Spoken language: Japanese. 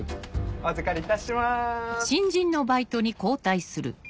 お預りいたします。